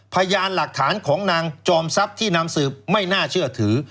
พยานหลักฐานของนางจอมทรัพย์ที่นำสืบไม่น่าเชื่อถือ